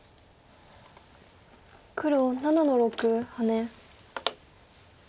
黒７の六ハネ。